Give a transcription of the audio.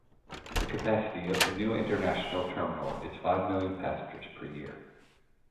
The capacity of the new international terminal is five million passengers per year.